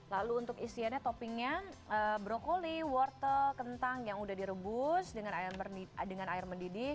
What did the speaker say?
lalu untuk isiannya toppingnya brokoli wortel kentang yang udah direbus dengan air mendidih